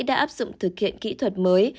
đã áp dụng thực hiện kỹ thuật mới